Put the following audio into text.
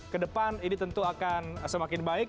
ke depan ini tentu akan semakin baik